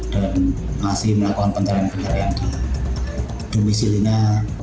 dan masih melakukan pencarian pencarian di domisi lina